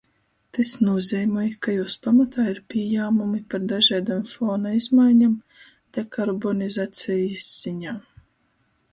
Tys nūzeimoj, ka jūs pamatā ir pījāmumi par dažaidom fona izmaiņom dekarbonizacejis ziņā.